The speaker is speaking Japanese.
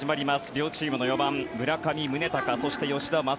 両チームの４番、村上宗隆そして吉田正尚。